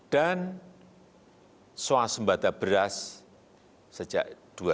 dan swasembata beras sejak dua ribu sembilan belas